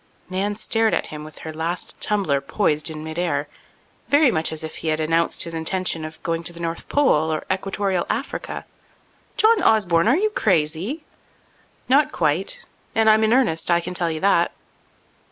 Nan stared at him with her last tumbler poised in mid air, very much as if he had announced his intention of going to the North Pole or Equatorial Africa. "John Osborne, are you crazy?" "Not quite. And I'm in earnest, I can tell you that."